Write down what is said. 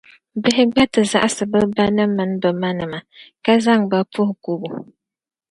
bihi gba ti zaɣisi bɛ banim’ mini bɛ manima, ka zaŋ ba puhi kubu.